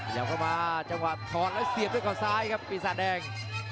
เข้ามาจังหวะถอดแล้วเสียบด้วยเขาซ้ายครับปีศาจแดง